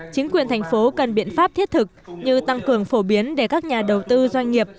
chính quyền thành phố cần biện pháp thiết thực như tăng cường phổ biến để các nhà đầu tư doanh nghiệp